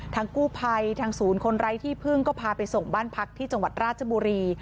ทางกู้ภัยทางศูนย์คนไร้ที่พึ่งก็พาไปส่งบ้านพักที่จังหวัดราชบุรี